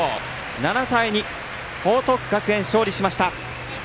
７対２、報徳学園、勝利しました。